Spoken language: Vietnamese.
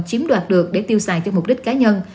chiếm đoạt được để tiêu xài cho mục đích cá nhân